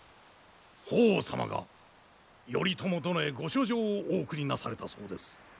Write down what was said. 法皇様が頼朝殿へご書状をお送りなされたそうです。